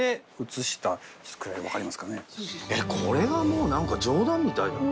これがもうなんか冗談みたいだもん。